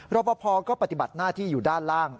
รอปภก็ปฏิบัติหน้าที่อยู่ด้านล่าง